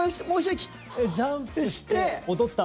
ジャンプして踊った。